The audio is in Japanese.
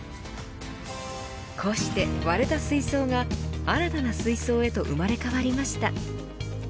こうして、割れた水槽が新たな水槽へと生まれ変わりました。